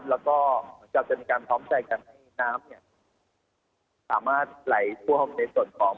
แล้วก็มันก็จะเป็นการพร้อมใจกันให้น้ำเนี่ยสามารถไหลทั่วคร่องในส่วนของ